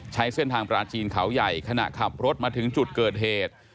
ใช้เส้นทางปลาจีนเขาใหญ่ขณะขับรถมาถึงจุดเกิดเหตุ